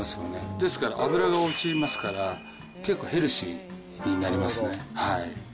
ですから、脂が落ちますから、結構ヘルシーになりますね。